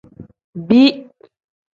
Bii.